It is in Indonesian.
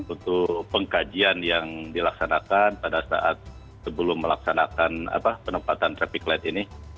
untuk pengkajian yang dilaksanakan pada saat sebelum melaksanakan penempatan traffic light ini